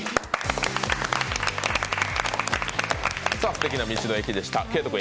すてきな道の駅でした。